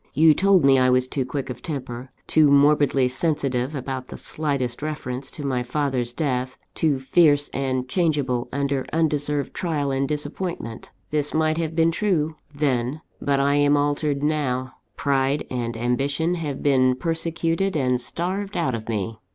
You told me I was too quick of temper, too morbidly sensitive about the slightest reference to my father's death, too fierce and changeable under undeserved trial and disappointment. This might have been true then; but I am altered now: pride and ambition have been persecuted and starved out of me.